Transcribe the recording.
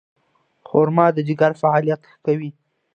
خرما د ځیګر فعالیت ښه کوي.